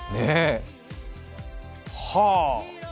はあ。